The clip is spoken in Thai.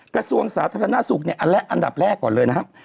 กระทรวงสาธารณสุขเนี่ยอันแรกอันดับแรกก่อนเลยนะครับ